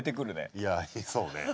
いやそうね。